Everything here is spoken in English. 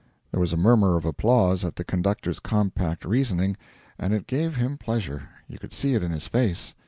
There was a murmur of applause at the conductor's compact reasoning, and it gave him pleasure you could see it in his face.